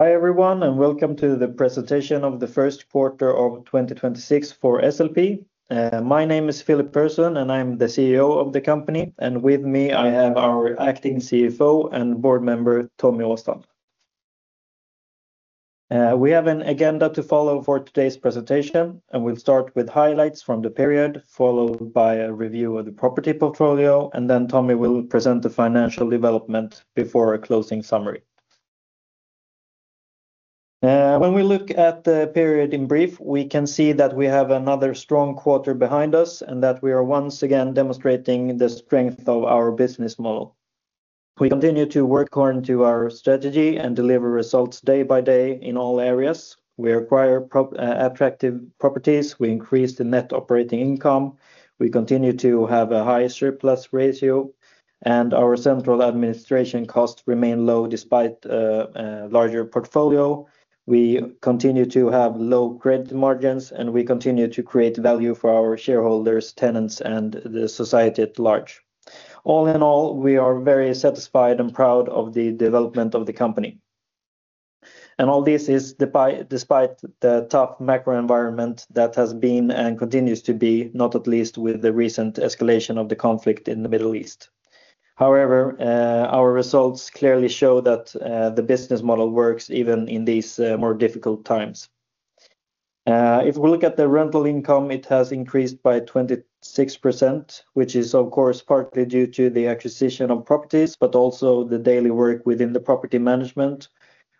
Hi everyone, and welcome to the presentation of the Q1 of 2026 for SLP. My name is Filip Persson, and I'm the CEO of the company. With me, I have our Acting CFO and Board Member, Tommy Åstrand. We have an agenda to follow for today's presentation, and we'll start with highlights from the period, followed by a review of the property portfolio, and then Tommy will present the financial development before a closing summary. When we look at the period in brief, we can see that we have another strong quarter behind us and that we are once again demonstrating the strength of our business model. We continue to work according to our strategy and deliver results day by day in all areas. We acquire attractive properties. We increase the net operating income. We continue to have a high surplus ratio, and our central administration costs remain low despite a larger portfolio. We continue to have low credit margins, and we continue to create value for our shareholders, tenants, and the society at large. All in all, we are very satisfied and proud of the development of the company. All this is despite the tough macro environment that has been and continues to be, not at least with the recent escalation of the conflict in the Middle East. However, our results clearly show that the business model works even in these more difficult times. If we look at the rental income, it has increased by 26%, which is of course partly due to the acquisition of properties, but also the daily work within the property management,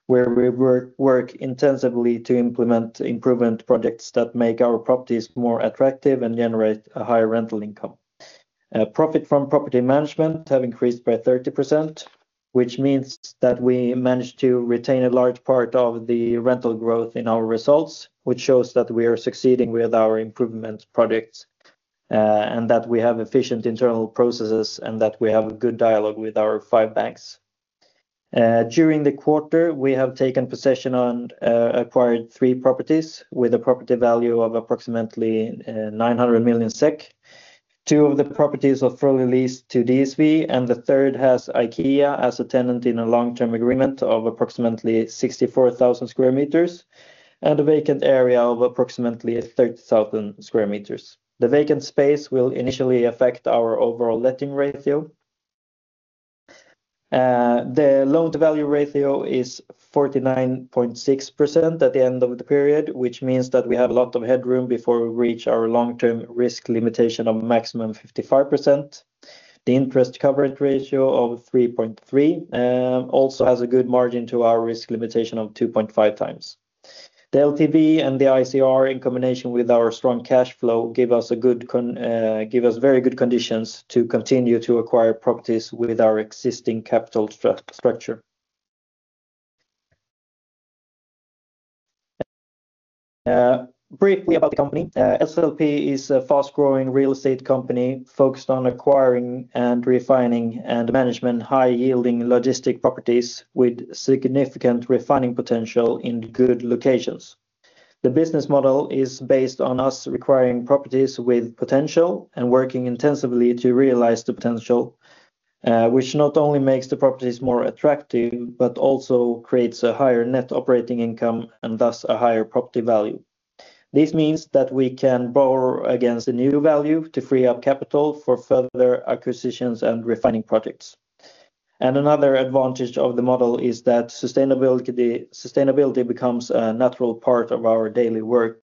where we work intensively to implement improvement projects that make our properties more attractive and generate a higher rental income. Profit from property management have increased by 30%, which means that we managed to retain a large part of the rental growth in our results, which shows that we are succeeding with our improvement projects and that we have efficient internal processes and that we have a good dialogue with our five banks. During the quarter, we have taken possession and acquired three properties with a property value of approximately 900 million SEK. Two of the properties are fully leased to DSV, and the third has IKEA as a tenant in a long-term agreement of approximately 64,000 sq m and a vacant area of approximately 30,000 sq m. The vacant space will initially affect our overall letting ratio. The loan-to-value ratio is 49.6% at the end of the period, which means that we have a lot of headroom before we reach our long-term risk limitation of maximum 55%. The interest coverage ratio of 3.3 also has a good margin to our risk limitation of 2.5x. The LTV and the ICR, in combination with our strong cash flow, give us very good conditions to continue to acquire properties with our existing capital structure. Briefly about the company. SLP is a fast-growing real estate company focused on acquiring and refining and management high-yielding logistic properties with significant refining potential in good locations. The business model is based on us acquiring properties with potential and working intensively to realize the potential, which not only makes the properties more attractive, but also creates a higher net operating income and thus a higher property value. This means that we can borrow against the new value to free up capital for further acquisitions and refining projects. Another advantage of the model is that sustainability becomes a natural part of our daily work.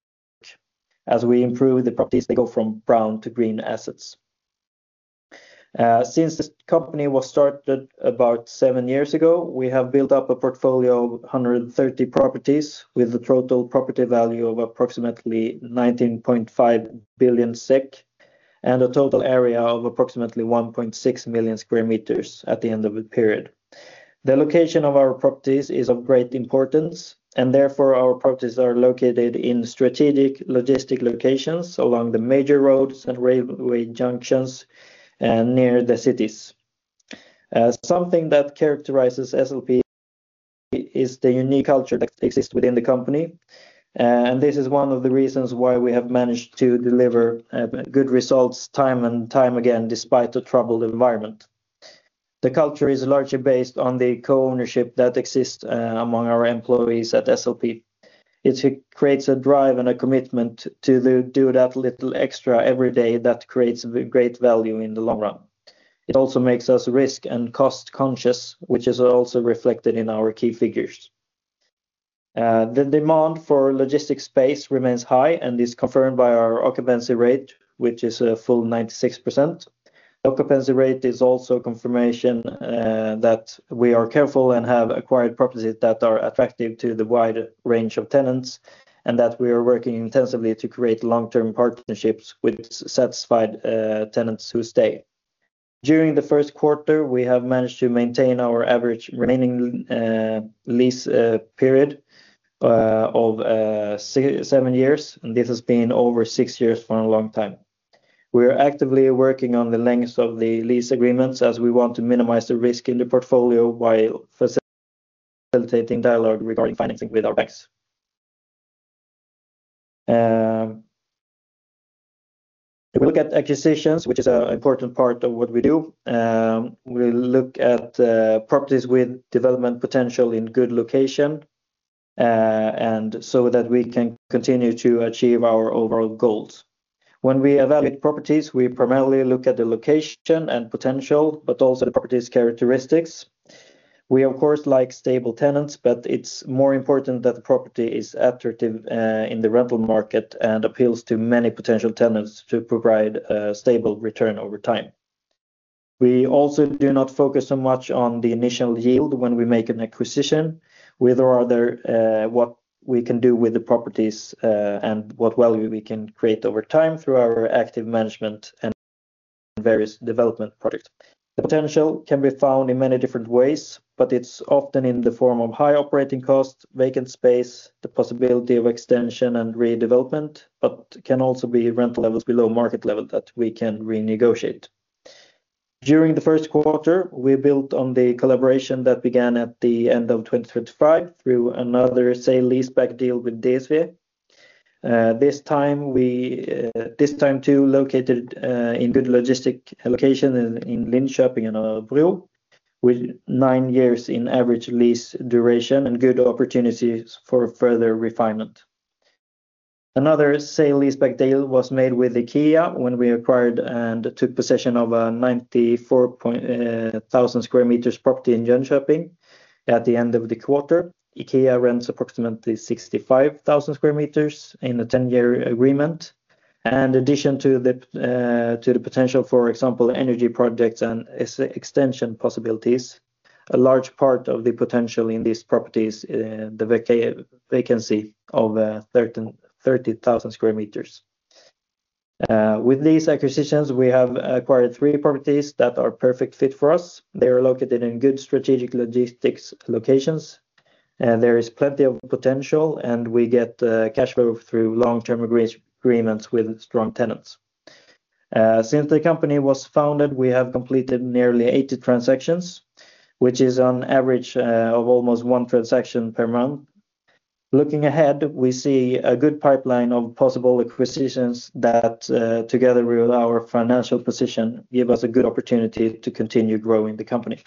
As we improve the properties, they go from brown to green assets. Since this company was started about seven years ago, we have built up a portfolio of 130 properties with a total property value of approximately 19.5 billion SEK and a total area of approximately 1.6 million sq m at the end of the period. The location of our properties is of great importance, and therefore, our properties are located in strategic logistic locations along the major roads and railway junctions and near the cities. Something that characterizes SLP is the unique culture that exists within the company, and this is one of the reasons why we have managed to deliver good results time and time again, despite the troubled environment. The culture is largely based on the co-ownership that exists among our employees at SLP. It creates a drive and a commitment to do that little extra every day that creates great value in the long run. It also makes us risk and cost-conscious, which is also reflected in our key figures. The demand for logistics space remains high and is confirmed by our occupancy rate, which is a full 96%. Occupancy rate is also confirmation that we are careful and have acquired properties that are attractive to the wide range of tenants, and that we are working intensively to create long-term partnerships with satisfied tenants who stay. During the Q1, we have managed to maintain our average remaining lease period of seven years, and this has been over six years for a long time. We are actively working on the length of the lease agreements as we want to minimize the risk in the portfolio while facilitating dialogue regarding financing with our banks. If we look at acquisitions, which is an important part of what we do, we look at properties with development potential in good location, so that we can continue to achieve our overall goals. When we evaluate properties, we primarily look at the location and potential, but also the property's characteristics. We, of course, like stable tenants, but it's more important that the property is attractive in the rental market and appeals to many potential tenants to provide a stable return over time. We also do not focus so much on the initial yield when we make an acquisition, rather what we can do with the properties and what value we can create over time through our active management and various development projects. The potential can be found in many different ways, but it's often in the form of high operating costs, vacant space, the possibility of extension and redevelopment, but can also be rental levels below market level that we can renegotiate. During the Q1, we built on the collaboration that began at the end of 2025 through another sale-leaseback deal with DSV. This time, too, located in good logistics location in Linköping and Örebro, with an average lease duration of nine years and good opportunities for further refinement. Another sale-leaseback deal was made with IKEA when we acquired and took possession of a 94,000 sq m property in Jönköping at the end of the quarter. IKEA rents approximately 65,000 sq m in a 10-year agreement. In addition to the potential, for example, energy projects and extension possibilities, a large part of the potential in these properties is the vacancy of 30,000 sq m. With these acquisitions, we have acquired three properties that are a perfect fit for us. They are located in good strategic logistics locations, and there is plenty of potential, and we get cash flow through long-term agreements with strong tenants. Since the company was founded, we have completed nearly 80 transactions, which is an average of almost one transaction per month. Looking ahead, we see a good pipeline of possible acquisitions that, together with our financial position, give us a good opportunity to continue growing the company.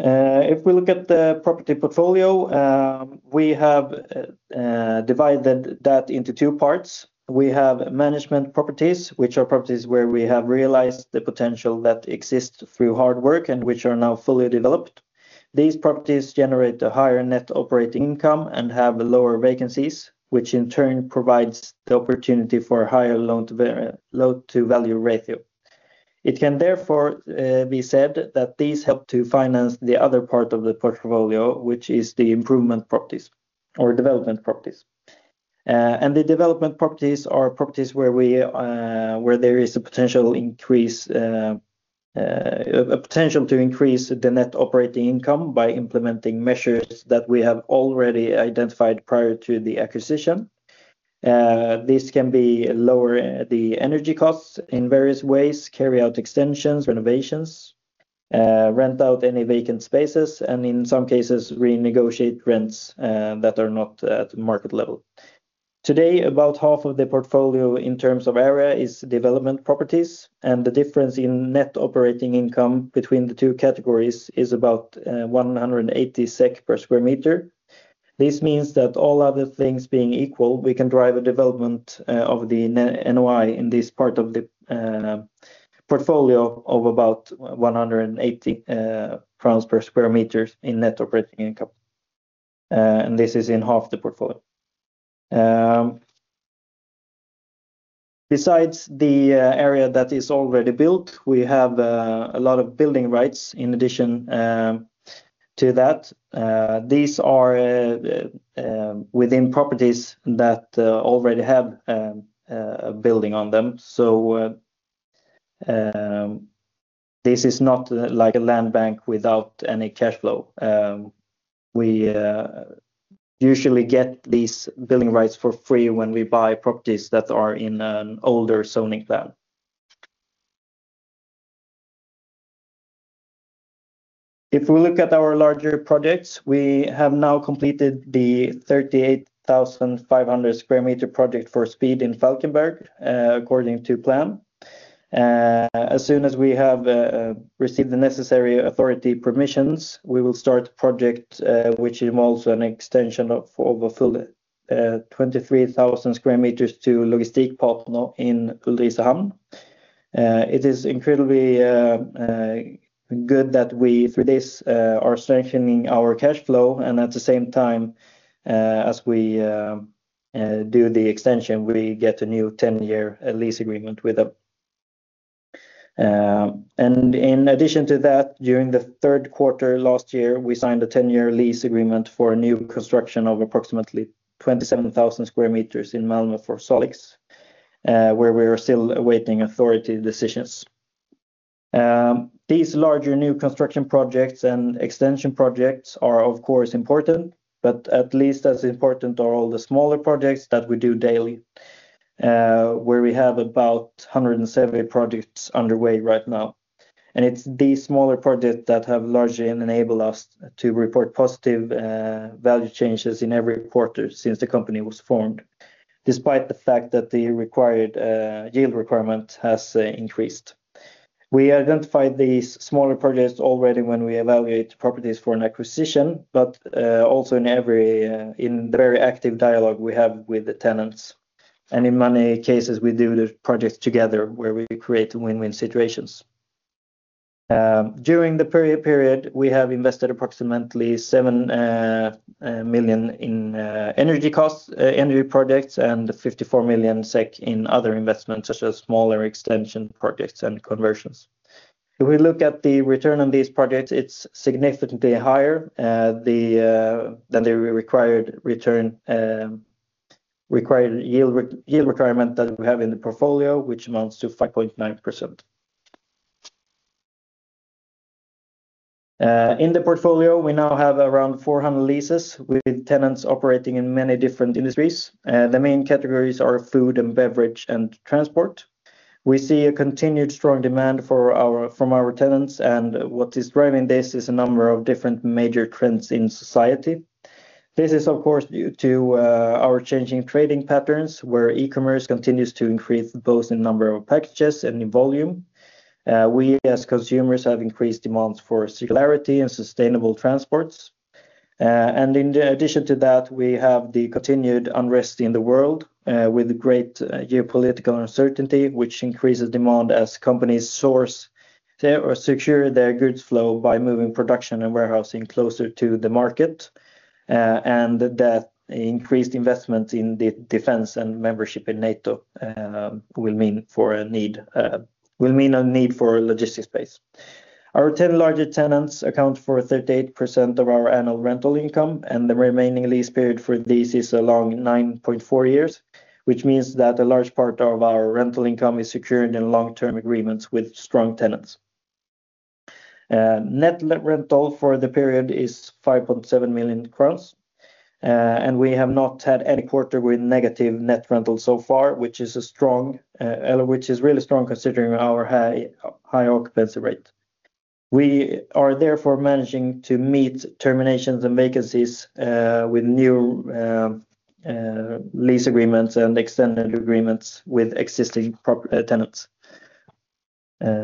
If we look at the property portfolio, we have divided that into two parts. We have management properties, which are properties where we have realized the potential that exists through hard work and which are now fully developed. These properties generate a higher net operating income and have lower vacancies, which in turn provides the opportunity for a higher loan-to-value ratio. It can therefore be said that these help to finance the other part of the portfolio, which is the improvement properties or development properties. The development properties are properties where there is a potential to increase the net operating income by implementing measures that we have already identified prior to the acquisition. This can lower the energy costs in various ways, carry out extensions, renovations, rent out any vacant spaces, and in some cases, renegotiate rents that are not at market level. Today, about half of the portfolio in terms of area is development properties, and the difference in net operating income between the two categories is about 180 SEK per sq m. This means that all other things being equal, we can drive a development of the NOI in this part of the portfolio of about 180 crowns per sq m in net operating income. This is in half the portfolio. Besides the area that is already built, we have a lot of building rights in addition to that. These are within properties that already have a building on them, so this is not like a land bank without any cash flow. We usually get these building rights for free when we buy properties that are in an older zoning plan. If we look at our larger projects, we have now completed the 38,500 sq m project for Speed in Falkenberg, according to plan. As soon as we have received the necessary authority permissions, we will start the project, which involves an extension of over 23,000 sq m to Logistikpartner in Ulricehamn. It is incredibly good that we, through this, are strengthening our cash flow, and at the same time as we do the extension, we get a new 10-year lease agreement with them. In addition to that, during the Q3 last year, we signed a 10-year lease agreement for a new construction of approximately 27,000 sq m in Malmö for Salix, where we are still awaiting authority decisions. These larger new construction projects and extension projects are, of course, important, but at least as important are all the smaller projects that we do daily. Where we have about 170 projects underway right now. It's these smaller projects that have largely enabled us to report positive value changes in every quarter since the company was formed, despite the fact that the required yield requirement has increased. We identified these smaller projects already when we evaluate properties for an acquisition, but also in the very active dialogue we have with the tenants. In many cases, we do the projects together where we create win-win situations. During the period, we have invested approximately 7 million in energy projects and 54 million SEK in other investments, such as smaller extension projects and conversions. If we look at the return on these projects, it's significantly higher than the required yield requirement that we have in the portfolio, which amounts to 5.9%. In the portfolio, we now have around 400 leases with tenants operating in many different industries. The main categories are food and beverage, and transport. We see a continued strong demand from our tenants, and what is driving this is a number of different major trends in society. This is, of course, due to our changing trading patterns, where e-commerce continues to increase both in number of packages and in volume. We, as consumers, have increased demands for circularity and sustainable transports. In addition to that, we have the continued unrest in the world with great geopolitical uncertainty, which increases demand as companies source or secure their goods flow by moving production and warehousing closer to the market. That increased investment in the defense and membership in NATO will mean a need for logistics space. Our 10 larger tenants account for 38% of our annual rental income, and the remaining lease period for this is a long 9.4 years, which means that a large part of our rental income is secured in long-term agreements with strong tenants. Net rental for the period is 5.7 million crowns, and we have not had any quarter with negative net rental so far, which is really strong considering our high occupancy rate. We are therefore managing to meet terminations and vacancies with new lease agreements and extended agreements with existing tenants.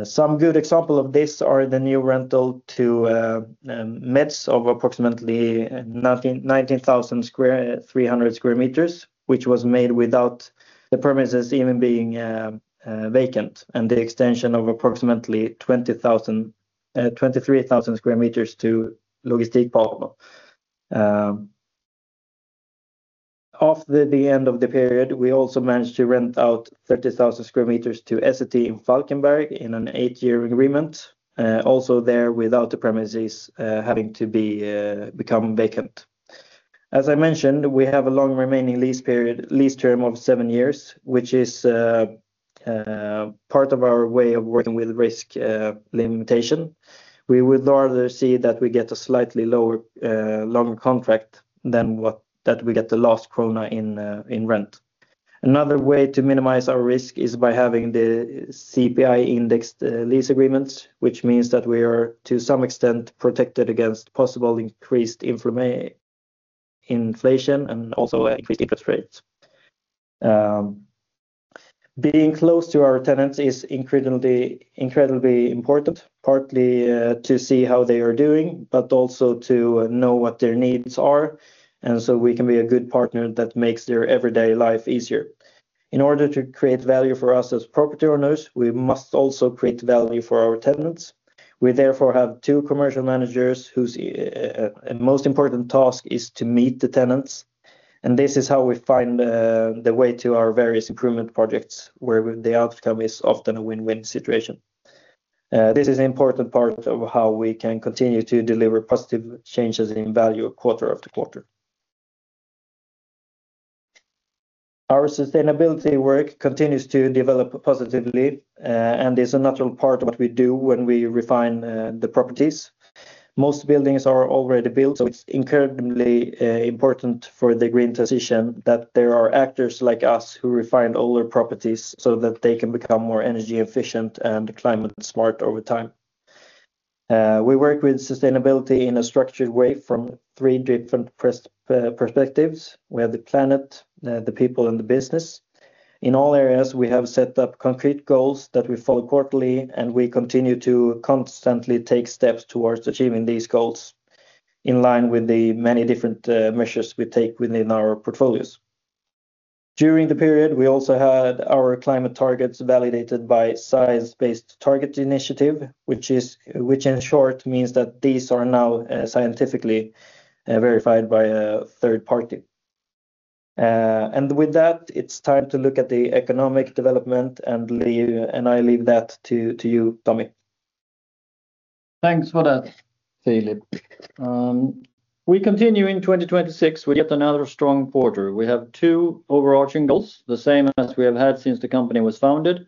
Some good example of this are the new rental to Metz of approximately 19,300 sq m, which was made without the premises even being vacant, and the extension of approximately 23,000 sq m to Logistikpartner. After the end of the period, we also managed to rent out 30,000 sq m to SCT in Falkenberg in an eight-year agreement, also there without the premises having to become vacant. As I mentioned, we have a long remaining lease term of seven years, which is part of our way of working with risk limitation. We would rather see that we get a slightly lower, longer contract than that we get the last krona in rent. Another way to minimize our risk is by having the CPI-indexed lease agreements, which means that we are, to some extent, protected against possible increased inflation and also increased interest rates. Being close to our tenants is incredibly important, partly to see how they are doing, but also to know what their needs are, and so we can be a good partner that makes their everyday life easier. In order to create value for us as property owners, we must also create value for our tenants. We therefore have two commercial managers whose most important task is to meet the tenants, and this is how we find the way to our various improvement projects, where the outcome is often a win-win situation. This is an important part of how we can continue to deliver positive changes in value quarter after quarter. Our sustainability work continues to develop positively and is a natural part of what we do when we refine the properties. Most buildings are already built, so it's incredibly important for the green transition that there are actors like us who refine older properties so that they can become more energy efficient and climate smart over time. We work with sustainability in a structured way from three different perspectives. We have the planet, the people, and the business. In all areas, we have set up concrete goals that we follow quarterly, and we continue to constantly take steps towards achieving these goals in line with the many different measures we take within our portfolios. During the period, we also had our climate targets validated by Science Based Targets initiative, which in short means that these are now scientifically verified by a third party. With that, it's time to look at the economic development, and I leave that to you, Tommy. Thanks for that, Filip. We continue in 2026 with yet another strong quarter. We have two overarching goals, the same as we have had since the company was founded.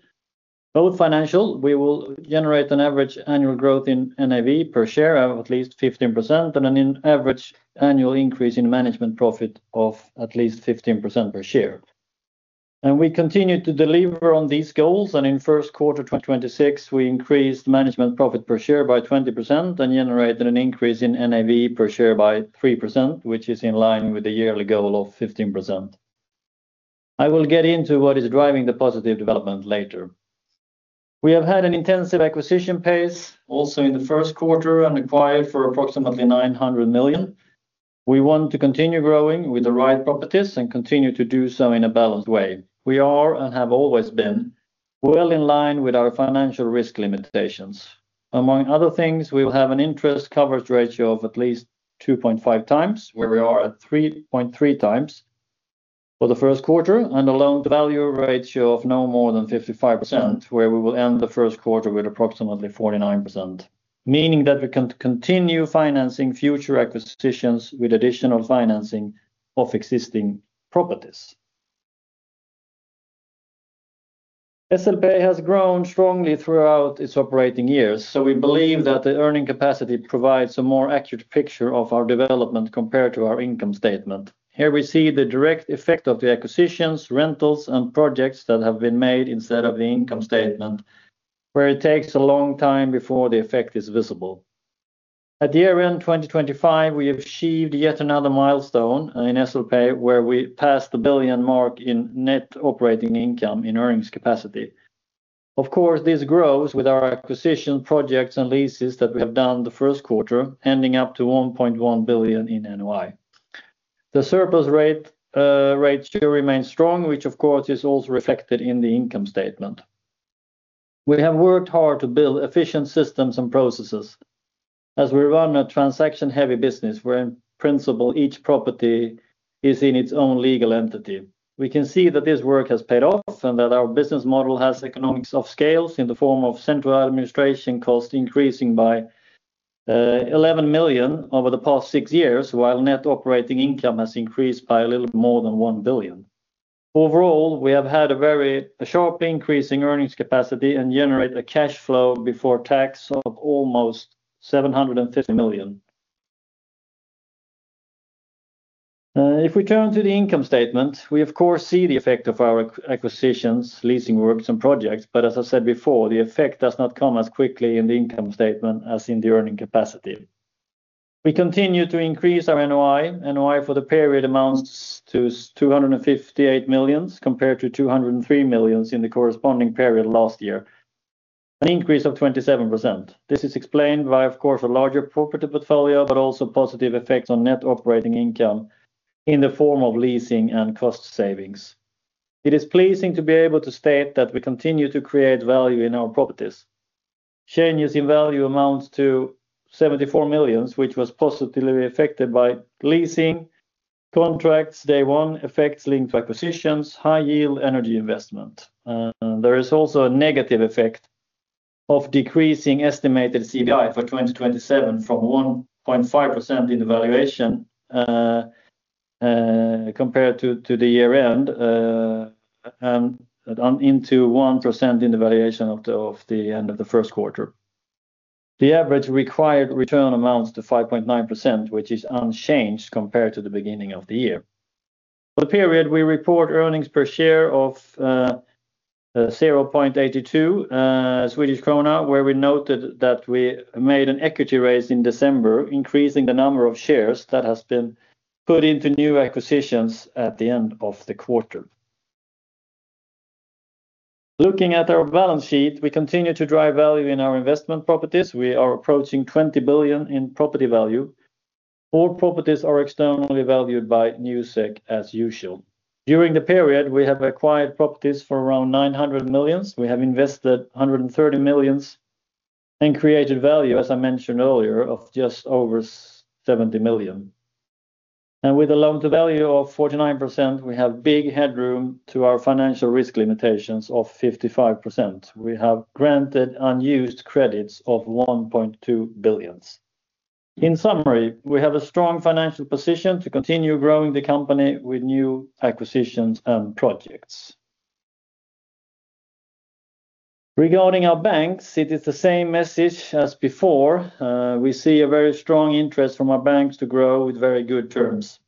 Both financial. We will generate an average annual growth in NAV per share of at least 15%, and an average annual increase in management profit of at least 15% per share. We continue to deliver on these goals. In Q1 2026, we increased management profit per share by 20% and generated an increase in NAV per share by 3%, which is in line with the yearly goal of 15%. I will get into what is driving the positive development later. We have had an intensive acquisition pace also in the Q1 and acquired for approximately 900 million. We want to continue growing with the right properties and continue to do so in a balanced way. We are, and have always been, well in line with our financial risk limitations. Among other things, we will have an interest coverage ratio of at least 2.5x, where we are at 3.3x for the Q1. A loan-to-value ratio of no more than 55%, where we will end the Q1 with approximately 49%, meaning that we can continue financing future acquisitions with additional financing of existing properties. SLP has grown strongly throughout its operating years, so we believe that the earning capacity provides a more accurate picture of our development compared to our income statement. Here we see the direct effect of the acquisitions, rentals, and projects that have been made instead of the income statement, where it takes a long time before the effect is visible. At year-end 2025, we achieved yet another milestone in SLP where we passed the 1 billion mark in net operating income in earnings capacity. Of course, this grows with our acquisition projects and leases that we have done the Q1, ending up to 1.1 billion in NOI. The surplus rate still remains strong, which of course is also reflected in the income statement. We have worked hard to build efficient systems and processes as we run a transaction-heavy business where in principle, each property is in its own legal entity. We can see that this work has paid off and that our business model has economies of scale in the form of central administration cost increasing by 11 million over the past six years, while net operating income has increased by a little more than 1 billion. Overall, we have had a very sharp increase in earning capacity and generate a cash flow before tax of almost SEK 750 million. If we turn to the income statement, we, of course, see the effect of our acquisitions, leasing works and projects. As I said before, the effect does not come as quickly in the income statement as in the earning capacity. We continue to increase our NOI. NOI for the period amounts to 258 million, compared to 203 million in the corresponding period last year, an increase of 27%. This is explained by, of course, a larger property portfolio, but also positive effects on net operating income in the form of leasing and cost savings. It is pleasing to be able to state that we continue to create value in our properties. Changes in value amount to 74 million, which was positively affected by leasing contracts, day one effects linked to acquisitions, high yield energy investment. There is also a negative effect of decreasing estimated CPI for 2027 from 1.5% in the valuation, compared to the year-end, and into 1% in the valuation of the end of the Q1. The average required return amounts to 5.9%, which is unchanged compared to the beginning of the year. For the period, we report earnings per share of 0.82 Swedish krona, where we noted that we made an equity raise in December, increasing the number of shares that has been put into new acquisitions at the end of the quarter. Looking at our balance sheet, we continue to drive value in our investment properties. We are approaching 20 billion in property value. All properties are externally valued by Newsec, as usual. During the period, we have acquired properties for around 900 million. We have invested 130 million and created value, as I mentioned earlier, of just over 70 million. With a loan-to-value of 49%, we have big headroom to our financial risk limitations of 55%. We have granted unused credits of 1.2 billion. In summary, we have a strong financial position to continue growing the company with new acquisitions and projects. Regarding our banks, it is the same message as before. We see a very strong interest from our banks to grow with very good terms.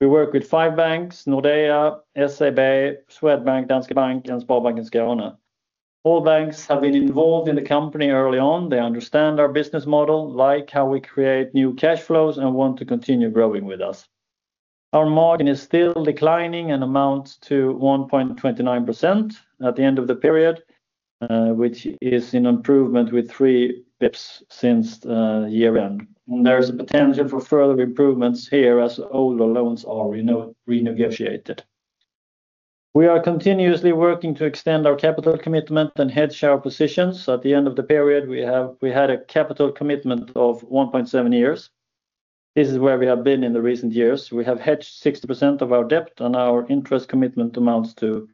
We work with five banks, Nordea, SEB, Swedbank, Danske Bank, and Sparbanken Skåne. All banks have been involved in the company early on. They understand our business model, like how we create new cash flows, and want to continue growing with us. Our margin is still declining and amounts to 1.29% at the end of the period, which is an improvement with three pips since year-end. There is a potential for further improvements here as older loans are renegotiated. We are continuously working to extend our capital commitment and hedge our positions. At the end of the period, we had a capital commitment of 1.7 years. This is where we have been in the recent years. We have hedged 60% of our debt and our interest commitment amounts to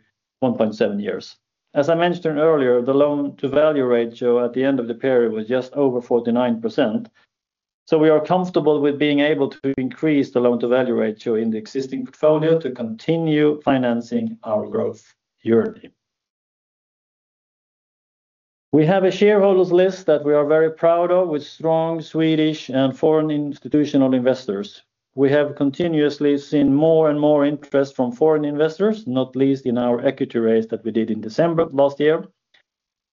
1.7 years. As I mentioned earlier, the loan-to-value ratio at the end of the period was just over 49%, so we are comfortable with being able to increase the loan-to-value ratio in the existing portfolio to continue financing our growth journey. We have a shareholders list that we are very proud of with strong Swedish and foreign institutional investors. We have continuously seen more and more interest from foreign investors, not least in our equity raise that we did in December last year,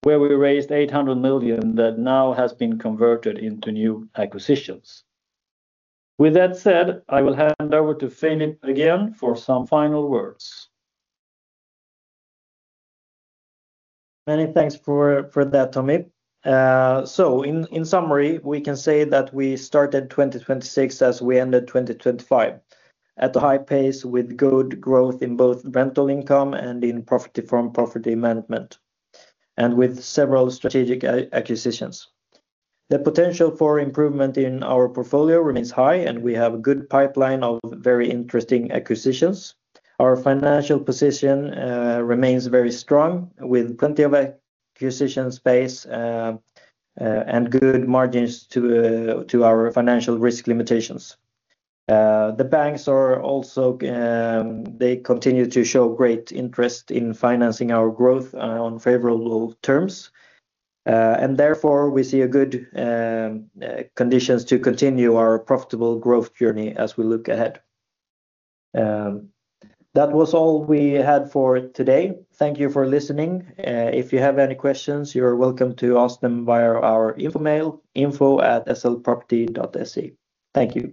where we raised 800 million that now has been converted into new acquisitions. With that said, I will hand over to Filip again for some final words. Many thanks for that, Tommy. In summary, we can say that we started 2026 as we ended 2025, at a high pace with good growth in both rental income and in profit from property management, and with several strategic acquisitions. The potential for improvement in our portfolio remains high, and we have a good pipeline of very interesting acquisitions. Our financial position remains very strong, with plenty of acquisition space, and good margins to our financial risk limitations. The banks also continue to show great interest in financing our growth on favorable terms. Therefore, we see good conditions to continue our profitable growth journey as we look ahead. That was all we had for today. Thank you for listening. If you have any questions, you are welcome to ask them via our info mail, info@slproperty.se. Thank you.